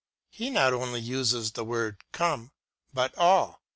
He not only uses the word " come," but " all."